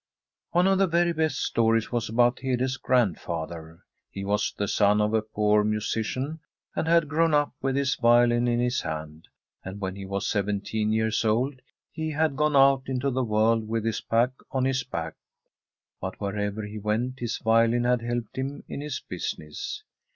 One of the very best stories was about Hede's grandfather. He was the son of a poor musi cian, and had g^own up with his violin in his hand, and when he was seventeen years old he had gone out into the world with his pack on his back. But wherever he went his violin had helped him in his business.